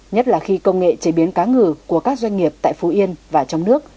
nhất là khi công nghệ chế biến cá ngừ của các doanh nghiệp tại phú yên và trong nước